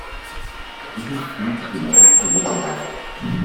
Michel spielt die beleidigte Leberwurst.